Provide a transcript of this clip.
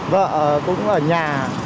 vợ cũng ở nhà